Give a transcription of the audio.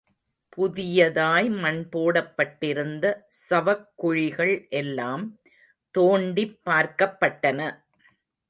புதியதாய் மண் போடப்பட்டிருந்த சவக்குழிகள் எல்லாம் தோண்டிப் பார்க்கப்பட்டன.